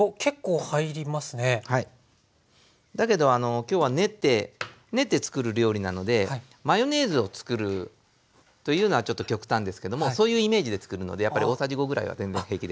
だけど今日は練って練ってつくる料理なのでマヨネーズをつくるというのはちょっと極端ですけどもそういうイメージでつくるのでやっぱり大さじ５ぐらいは全然平気です。